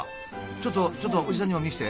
ちょっとちょっとおじさんにも見せて。